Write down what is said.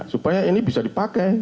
supaya ini bisa dipakai